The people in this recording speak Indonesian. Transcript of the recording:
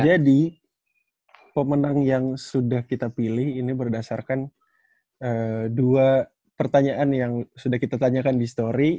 jadi pemenang yang sudah kita pilih ini berdasarkan dua pertanyaan yang sudah kita tanyakan di story